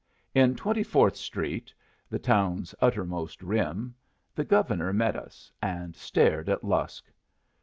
In Twenty fourth Street the town's uttermost rim the Governor met us, and stared at Lusk.